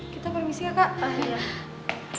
kita permisi ya kak